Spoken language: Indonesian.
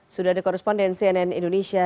sudah ada koresponden cnn indonesia